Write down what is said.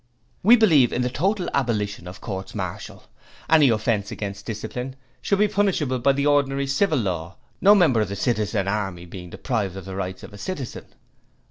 We believe in the total abolition of courts martial, any offence against discipline should be punishable by the ordinary civil law no member of the Citizen Army being deprived of the rights of a citizen.'